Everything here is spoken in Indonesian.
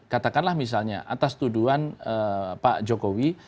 katakanlah misalnya atas tuduhan pak jokowi